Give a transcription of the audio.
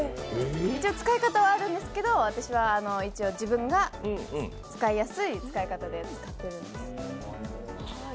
使い方はあるんですけど、私は自分が使いやすい方法で使っています。